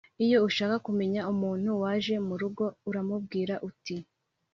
Iyo ushaka kumenya umuntu waje mu rugo uramubwira uti